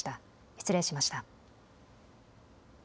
失礼しました。